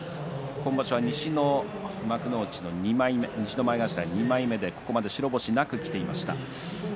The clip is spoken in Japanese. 今場所は、西の幕内の２枚目西の前頭２枚目で、ここまで白星なくきていました。